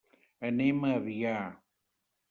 Anem a Avià.